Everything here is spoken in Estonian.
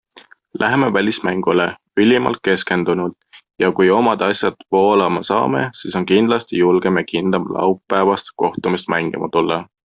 Läheme välismängule ülimalt keskendunult ja kui omad asjad voolama saame, siis on kindlasti julgem ja kindlam laupäevast kohtumist mängima tulla.